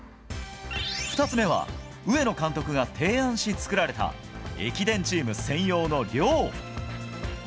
２つ目は、上野監督が提案し作られた、駅伝チーム専用の寮。